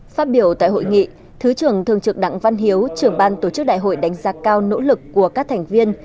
phát biểu tại hội nghị thứ trưởng thường trực đặng văn hiếu trưởng ban tổ chức đại hội đánh giá cao nỗ lực của các thành viên